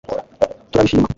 turabishima